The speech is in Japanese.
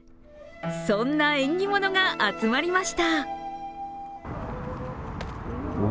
そんな縁起物が集まりました。